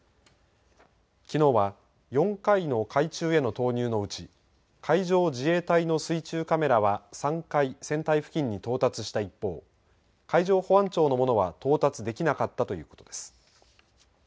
きのうは４回の海中への投入のうち海上自衛隊の水中カメラは３回船体付近に到達した一方海上保安庁のものは到達できなかったということです。